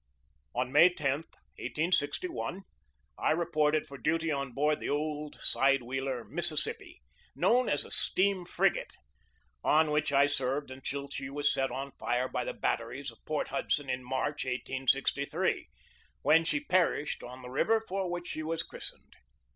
On May 10, 1861, I reported for duty on board the old side wheeler Mississippi (known as a steam frigate), on which I served until she was set on fire by the batteries of Port Hudson in March, 1863, when she perished on the river for which she was christened.